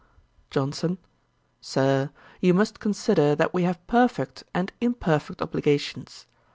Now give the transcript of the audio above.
JOHNSON. 'Sir you must consider that we have perfect and imperfect obligations.